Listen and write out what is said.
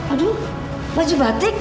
aduh baju batik